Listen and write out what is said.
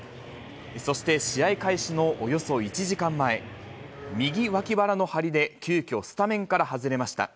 そして試合開始のおよそ１時間前、右脇腹の張りで、急きょ、スタメンから外れました。